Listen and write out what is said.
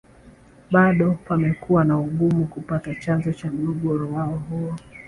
Bado pamekuwa na Ugumu kupata chanzo cha mgogoro wao huo